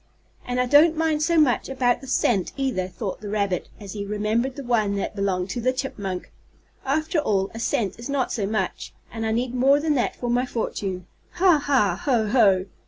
"And I don't mind so much about the cent, either," thought the rabbit, as he remembered the one that belonged to the chipmunk. "After all a cent is not so much, and I need more than that for my fortune. Ha! Ha! Ho! Ho!"